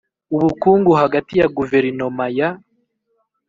Ubukungu hagati ya Guverinoma ya